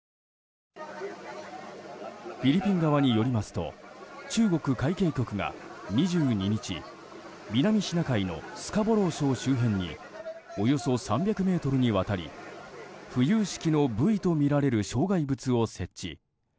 フィリピン側によりますと中国海警局が２２日南シナ海のスカボロー礁周辺におよそ３００ｍにわたり浮遊式のブイとみられる障害物を設置。